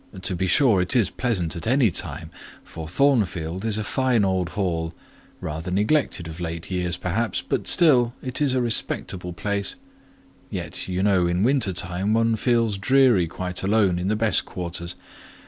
To be sure it is pleasant at any time; for Thornfield is a fine old hall, rather neglected of late years perhaps, but still it is a respectable place; yet you know in winter time one feels dreary quite alone in the best quarters.